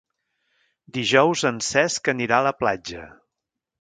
Dijous en Cesc anirà a la platja.